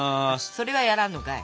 それはやらんのかい！